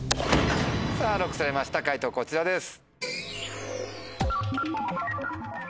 さぁＬＯＣＫされました解答こちらです。